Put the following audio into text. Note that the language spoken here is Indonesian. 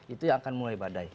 itu yang akan mulai badai